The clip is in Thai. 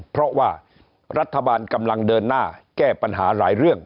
เพราะว่ารัฐบาลกำลังเดินหน้าแก้ปัญหาหลายเรื่อง